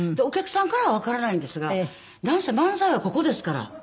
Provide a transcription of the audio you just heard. お客さんからはわからないんですがなんせ漫才はここですから。